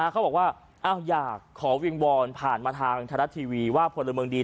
เขาบอกว่าอ้าวอยากขอวิ่งบอลผ่านมาทางทรัศน์ทีวีว่าพลเมืองดี